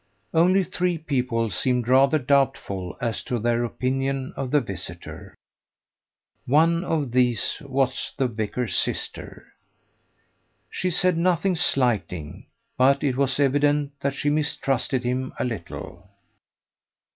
Only three people seemed rather doubtful as to their opinion of the visitor. One of these was the vicar's sister. She said nothing slighting, but it was evident that she mistrusted him a little.